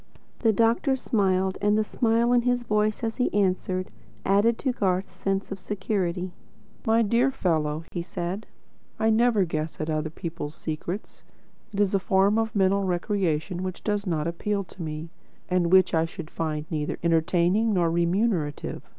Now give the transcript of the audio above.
The doctor smiled; and the smile in his voice as he answered, added to Garth's sense of security. "My dear fellow," he said, "I never guess at other people's secrets. It is a form of mental recreation which does not appeal to me, and which I should find neither entertaining nor remunerative.